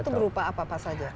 itu berupa apa apa saja